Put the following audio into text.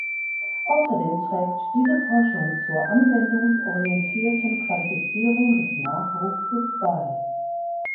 Außerdem trägt diese Forschung zur anwendungsorientierten Qualifizierung des Nachwuchses bei.